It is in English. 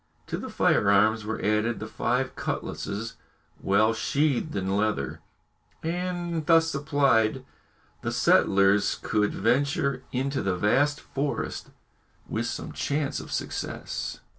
To the firearms were added the five cutlasses well sheathed in leather, and, thus supplied, the settlers could venture into the vast forest with some chance of success.